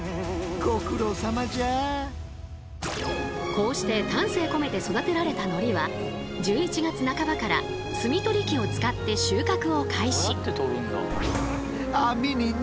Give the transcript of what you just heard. こうして丹精込めて育てられた海苔は１１月半ばから摘み取り機を使って収穫を開始。